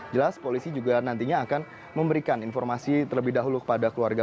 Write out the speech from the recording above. jelas polisi juga nantinya akan memberikan informasi terlebih dahulu kepada keluarga